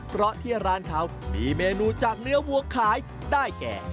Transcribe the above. เพราะที่ร้านเขามีเมนูจากเนื้อวัวขายได้แก่